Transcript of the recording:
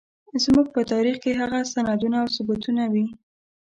زموږ په تاريخ کې هغه سندونه او ثبوتونه وي.